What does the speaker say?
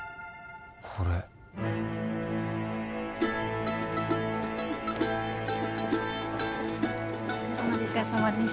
これお疲れさまです